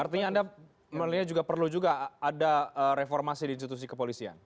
artinya anda melihat juga perlu juga ada reformasi di institusi kepolisian